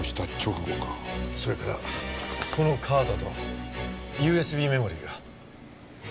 それからこのカードとＵＳＢメモリーが。